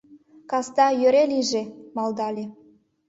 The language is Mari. — Касда йӧрӧ лийже! — малдале.